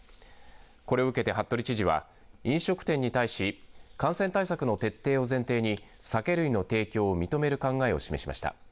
これを受けて服部知事は飲食店に対し感染対策の徹底を前提に酒類の提供を認める考えを示しました。